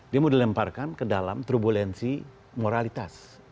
dia mau dilemparkan ke dalam turbulensi moralitas